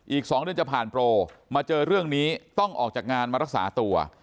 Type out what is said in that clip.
อีก๒เดือนจะผ่านโปรมาเจอเรื่องนี้ต้องออกจากงานมารักษาตัว